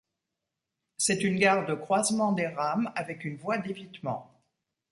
C'est une gare de croisement des rames avec une voie d'évitement.